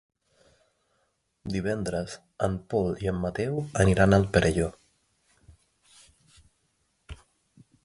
Divendres en Pol i en Mateu aniran al Perelló.